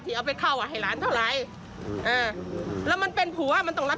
คือให้ข่าวแบบนั้นทำให้เราเสียหาย